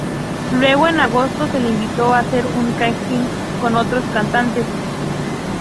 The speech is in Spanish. Luego, en agosto, se le invitó a hacer un casting con otros cantantes.